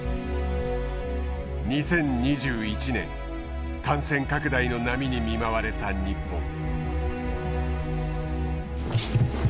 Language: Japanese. ２０２１年感染拡大の波に見舞われた日本。